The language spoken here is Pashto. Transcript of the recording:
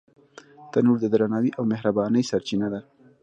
تنور د درناوي او مهربانۍ سرچینه ده